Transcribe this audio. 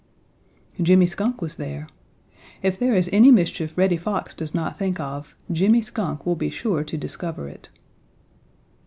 Jimmy Skunk was there. If there is any mischief Reddy Fox does not think of Jimmy Skunk will be sure to discover it.